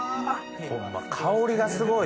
ホンマ香りがすごいね。